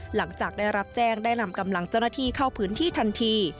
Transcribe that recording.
หลังจากได้รับแจ้งได้นำกำลังเจ้าหน้าที่เข้าพื้นที่ทันที